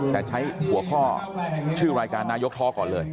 แต่ใช้หัวข้อชื่อรายการนายกท้อก่อนเลย